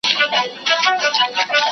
¬ تر مازي ولاړي، په خرپ نړېدلې ښه ده.